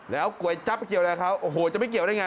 แล้วกว่ายจับเกี่ยวอะไรแบบเขาจะไม่เกี่ยวได้ไง